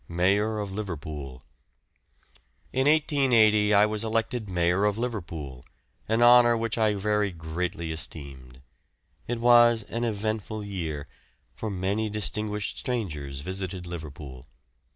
MAYOR OF LIVERPOOL. In 1880 I was elected Mayor of Liverpool, an honour which I very greatly esteemed. It was an eventful year, for many distinguished strangers visited Liverpool.